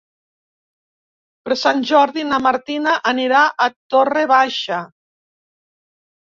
Per Sant Jordi na Martina anirà a Torre Baixa.